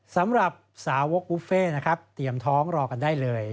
สำหรับสาวกบุฟเฟ่นะครับเตรียมท้องรอกันได้เลย